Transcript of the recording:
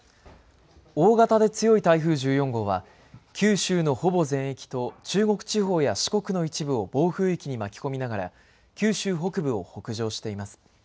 大型で強い台風１４号は九州のほぼ全域と中国地方や四国の一部を暴風域に巻き込みながら九州北部を北上しています。